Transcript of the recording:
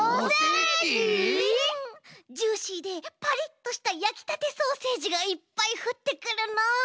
ジューシーでパリッとしたやきたてソーセージがいっぱいふってくるの。